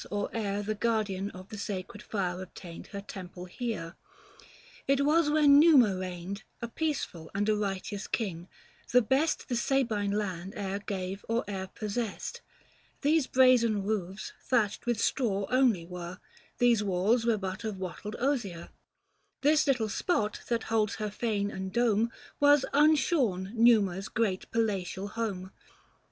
or e'er The guardian of the sacred fire obtained Her temple here. It was when Numa reigned, A peaceful and a righteous king, — the best 310 The Sabine land e'er gave or e'er possessed — These brazen roofs thatched with straw only were, These walls were but of wattled osier, This little spot that holds her fane and dome Was unshorn Numa's great palatial home.